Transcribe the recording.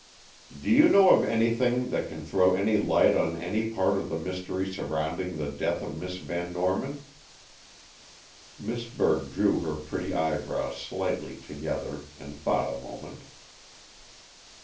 "Do you know of anything that can throw any light on any part of the mystery surrounding the death of Miss Van Norman?" Miss Burt drew her pretty eyebrows slightly together, and thought a moment.